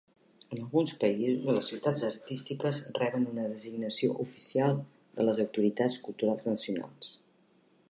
En alguns països, les ciutats artístiques reben una designació oficial de les autoritats culturals nacionals.